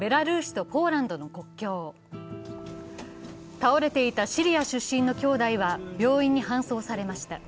倒れていたシリア出身の兄弟は病院に搬送されました。